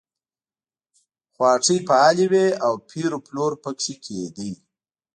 خو هټۍ فعالې وې او پېر و پلور پکې کېده.